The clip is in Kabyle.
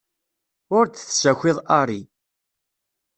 Ur d-tessakiḍ Harry.